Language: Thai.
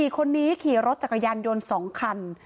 ๔คนนี้ขี่รถจักรยานยนต์๒คัน